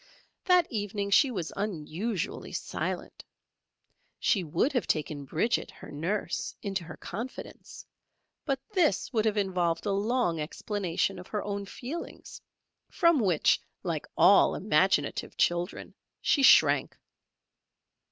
That evening she was unusually silent. She would have taken Bridget, her nurse, into her confidence, but this would have involved a long explanation of her own feelings, from which, like all imaginative children, she shrank.